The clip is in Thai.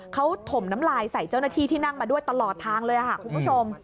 เขาถมน้ำลายใส่เจ้าหน้าที่ที่นั่งมาด้วยตลอดทางเลยค่ะคุณผู้ชม